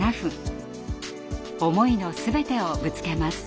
思いの全てをぶつけます。